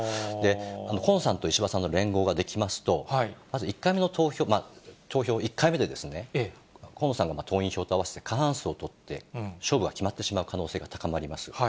河野さんと石破さんの連合が出来ますと、まず１回目の投票、投票１回目で、河野さんが党員票と合わせて過半数を取って、勝負が決まってしまう可能性が高まります。